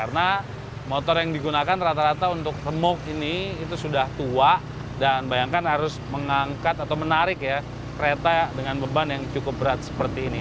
karena motor yang digunakan rata rata untuk remok ini itu sudah tua dan bayangkan harus mengangkat atau menarik ya kereta dengan beban yang cukup berat seperti ini